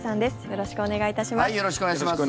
よろしくお願いします。